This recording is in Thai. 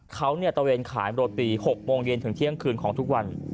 เขาตะเวนขายโรตี๖โมงเย็นถึงเที่ยงคืนของทุกวัน